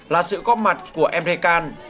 là sự góp mặt của emre kan